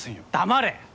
黙れ！